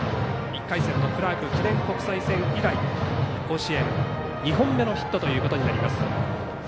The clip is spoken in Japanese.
１回戦のクラーク記念国際戦以来甲子園、２本目のヒットということになります。